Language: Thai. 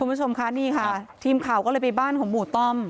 คุณผู้ชมค่ะนี่ค่ะทีมข่าวก็เลยไปบ้านของหมู่ต้อม